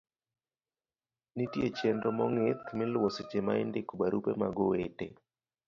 nitie chenro mong'ith miluwo seche ma indiko barupe mag owete